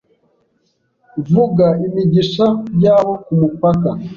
Vuga imigisha yabo kumupaka